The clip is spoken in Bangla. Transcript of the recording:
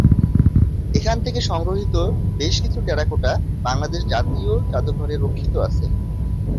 এখান থেকে সংগৃহীত বেশকিছু টেরাকোটা বাংলাদেশ জাতীয় জাদুঘরে রক্ষিত আছে।